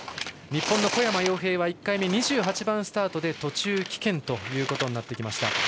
日本の小山陽平は１回目、２８番スタートで途中棄権となりました。